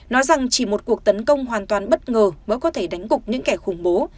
nói rằng chỉ một cuộc tấn công hoàn toàn bất ngờ mới có thể đánh gục những kẻ khủng bố